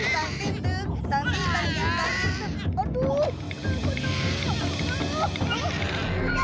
bangunkan sapi dan kambing itu ambil susunya